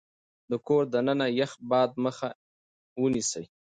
د کور دننه يخ باد مخه ونيسئ.